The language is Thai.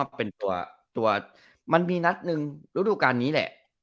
เขามีนัดนึงรูปการณ์นี้แหละ